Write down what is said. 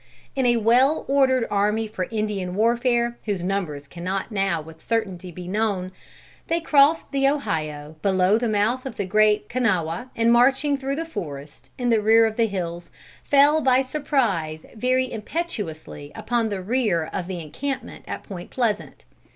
In a well ordered army for Indian warfare, whose numbers cannot now with certainty be known, they crossed the Ohio, below the mouth of the Great Kanawha, and marching through the forest, in the rear of the hills, fell by surprise very impetuously upon the rear of the encampment at Point Pleasant.